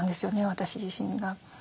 私自身が。